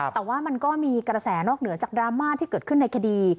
แต่ว่ามันก็มีกระแสนอกเหนือจากดราม่าที่เกิดขึ้นในคดี